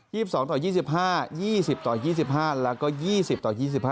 ๒๒ต่อ๒๕๒๐ต่อ๒๕แล้วก็๒๐ต่อ๒๕